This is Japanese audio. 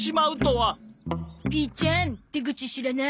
ピーちゃん出口知らない？